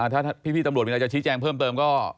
ถ้าพี่ตำรวจมีอะไรจะชี้แจงเพิ่มเติมก็